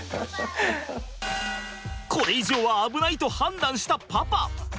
これ以上は危ないと判断したパパ。